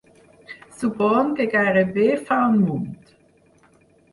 Suborn que gairebé fa un munt.